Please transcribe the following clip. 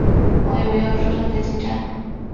我以为要出站再进站